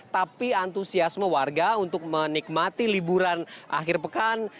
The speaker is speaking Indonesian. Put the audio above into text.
tapi antusiasme warga untuk menikmati liburan akhir pekan